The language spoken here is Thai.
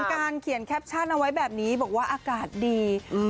การเขียนแคปชั่นเอาไว้แบบนี้บอกว่าอากาศดีอืม